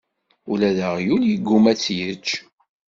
Ula d aɣyul yegguma ad tt-yečč.